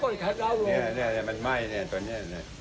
นี่มันไหม้ตรงนี้